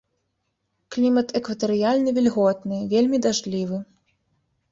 Клімат экватарыяльны вільготны, вельмі дажджлівы.